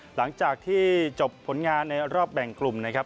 หลังจากที่จบผลงานในรอบแบ่งกลุ่มนะครับ